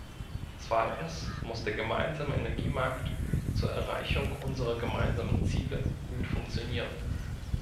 Zweitens muss der gemeinsame Energiemarkt zur Erreichung unserer gemeinsamen Ziele gut funktionieren.